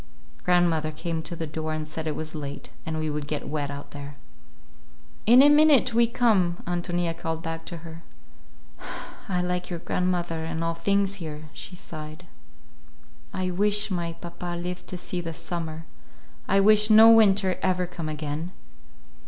Grandmother came to the door and said it was late, and we would get wet out there. "In a minute we come," Ántonia called back to her. "I like your grandmother, and all things here," she sighed. "I wish my papa live to see this summer. I wish no winter ever come again."